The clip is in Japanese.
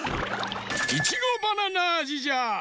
いちごバナナあじじゃ！